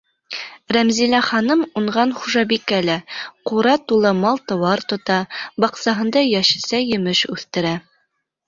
Рәмзилә ханым уңған хужабикә лә: ҡура тулы мал-тыуар тота, баҡсаһында йәшелсә-емеш үҫтерә.